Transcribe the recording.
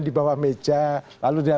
di bawah meja lalu